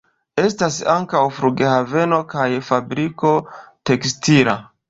Estas ankaŭ flughaveno kaj fabriko tekstila.